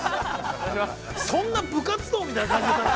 ◆そんな部活動みたいな感じで？